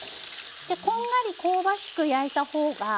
でこんがり香ばしく焼いた方がおいしい。